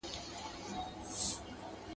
توره کښلې، کونه کښلې.